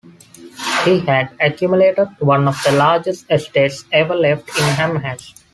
He had accumulated one of the largest estates ever left in Amherst.